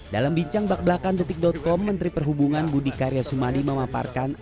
dalam bincang bakbelakan com menteri perhubungan budi karya sumali memaparkan